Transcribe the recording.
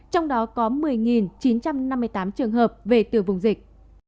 trong đó có một mươi chín trăm năm mươi tám trường hợp về từ vùng dịch